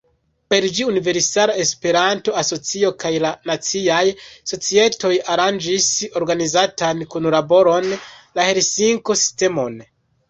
Per ĝi, Universala Esperanto-Asocio kaj la naciaj societoj aranĝis organizitan kunlaboron, la Helsinko-sistemon.